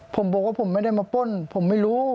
ผมบอกว่าผมไม่ได้มาป้นผมไม่รู้